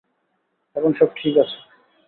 এখন সব ঠিক আছে!